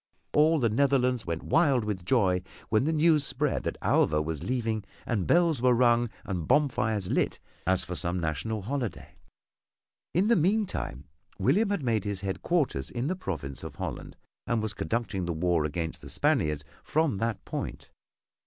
All the Netherlands went wild with joy when the news spread that Alva was leaving and bells were rung and bonfires lit as for some national holiday. In the meantime William had made his headquarters in the province of Holland and was conducting the war against the Spaniards from that point.